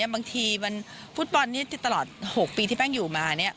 บางทีฟุตบอลที่ตลอด๖ปีที่แป้งอยู่มา